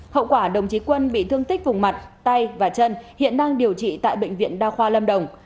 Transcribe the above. hậu quả đồng chí quân bị thương tích vùng mặt tay và chân hiện đang điều trị tại bệnh viện đa khoa lâm đồng